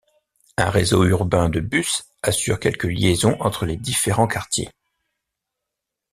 Un réseau urbain de bus assure quelques liaisons entre les différents quartiers.